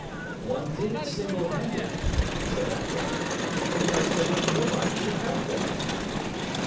'One did it single handed,' said Attwater, 'because there was nobody to help one.'